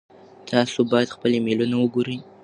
تاسو باید خپل ایمیلونه وګورئ.